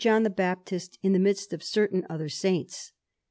John the Baptist in the midst of certain other saints.